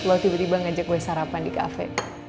lo tiba tiba ngajak gue sarapan di cafe